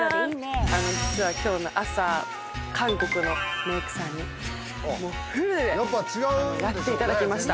実は今日の朝韓国のメイクさんにもうフルでやっていただきました。